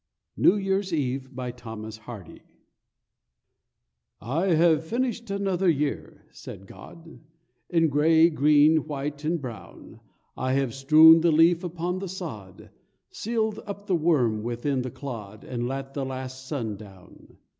NEW YEAR'S EVE BY THOMAS HARDY "I have finished another year," said God, "In grey, green, white, and brown; I have strewn the leaf upon the sod, Sealed up the worm within the clod, And let the last sun down."